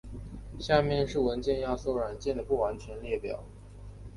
下面是文件压缩软件的不完全列表。